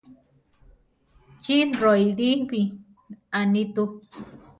Chí roʼíli bi, anitú.